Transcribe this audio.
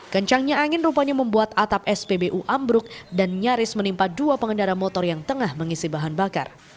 kencangnya angin rupanya membuat atap spbu ambruk dan nyaris menimpa dua pengendara motor yang tengah mengisi bahan bakar